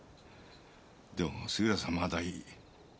でも杉浦さんまだいい。